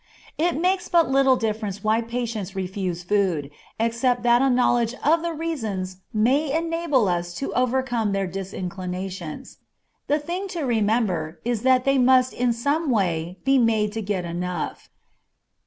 It makes but little difference why patients refuse food, except that a knowledge of the reasons may enable us to overcome their disinclinations. The thing to remember is that they must in some way be made to get enough.